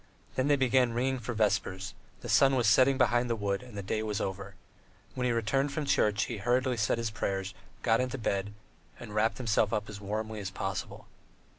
Then they began ringing for vespers; the sun was setting behind the wood and the day was over. When he returned from church, he hurriedly said his prayers, got into bed, and wrapped himself up as warm as possible.